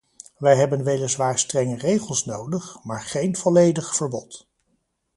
Wij hebben weliswaar strenge regels nodig, maar geen volledig verbod.